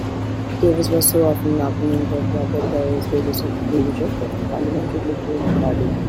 Davis was often an opponent of Robert Doyle's leadership of the parliamentary Liberal Party.